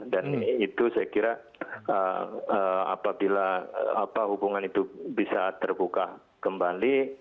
dan itu saya kira apabila hubungan itu bisa terbuka kembali